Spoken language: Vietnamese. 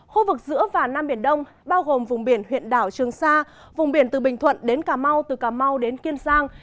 khu vực giữa và nam biển đông bao gồm vùng biển huyện đảo trường sa vùng biển từ bình thuận đến cà mau từ cà mau đến kiên giang